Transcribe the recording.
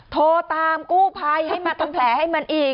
โทรตามกู้ภัยให้มาทำแผลให้มันอีก